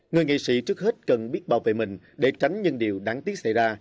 người nghị sĩ trước hết cần biết bảo vệ mình để tránh những điều đáng tiếc xảy ra